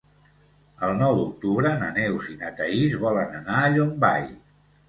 El nou d'octubre na Neus i na Thaís volen anar a Llombai.